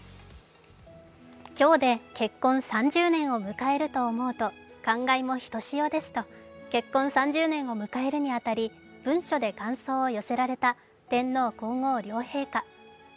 今日で結婚３０年を迎えると思うと感慨もひとしおですと結婚３０年を迎えるに当たり、文書で感想を寄せられた天皇皇后両陛下。